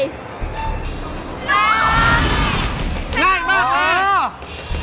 ง่ายมากครับ